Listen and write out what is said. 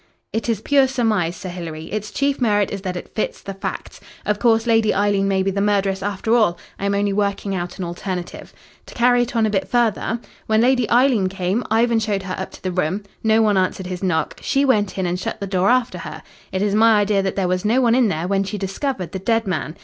"It is pure surmise, Sir Hilary. Its chief merit is that it fits the facts. Of course, Lady Eileen may be the murderess after all. I am only working out an alternative. To carry it on a bit further. When Lady Eileen came, Ivan showed her up to the room. No one answered his knock. She went in and shut the door after her. It is my idea that there was no one in there when she discovered the dead man.